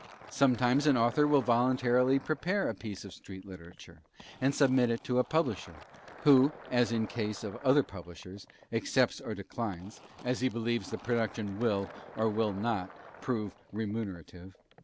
Sometimes an author will voluntarily prepare a piece of street literature and submit it to a publisher, who, as in case of other publishers, accepts or declines, as he believes the production will or will not prove remunerative.